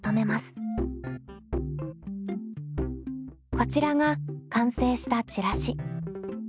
こちらが完成したチラシ。